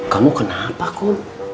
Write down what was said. kamu kenapa kum